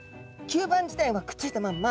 吸盤自体はくっついたまんま